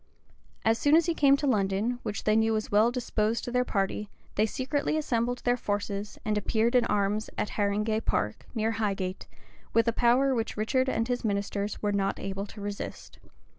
As soon as he came to London, which they knew was well disposed to their party, they secretly assembled their forces, and appeared in arms at Haringay Park, near Highgate, with a power which Richard and his ministers were not able to resist.